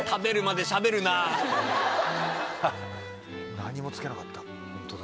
何もつけなかった。